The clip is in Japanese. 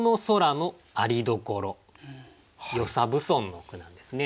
与謝蕪村の句なんですね。